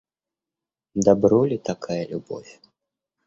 Добро ли такая любовь?